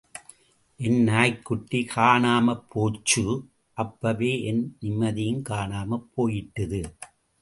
என் நாய்க்குட்டி காணாமப் போச்சு அப்பவே என் நிம்மதியும் காணாமப் போயிட்டுது.